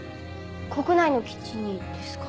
国内の基地にですか？